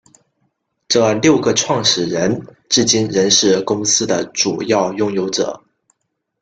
这六个创始人至今仍是公司的主要拥有者。